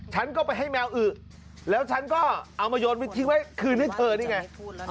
ฉันก็ไปให้แมวอึแล้วฉันก็เอามาโยนไปทิ้งไว้คืนให้เธอนี่ไง